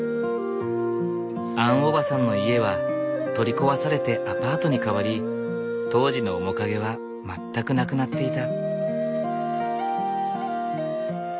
アンおばさんの家は取り壊されてアパートに変わり当時の面影は全くなくなっていた。